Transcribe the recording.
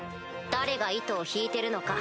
誰が糸を引いてるのか。